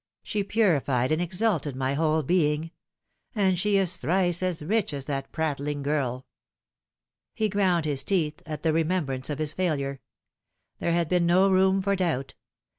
She purified and exalted my whole being. And she is thrice as rich as that prattling girl !" He ground bis teeth at the remembrance of his failure. There bad been no room for doubt.